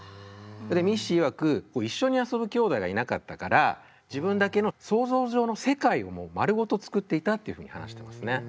でミッシーいわく一緒に遊ぶきょうだいがいなかったから自分だけの想像上の世界をもう丸ごとつくっていたっていうふうに話してますね。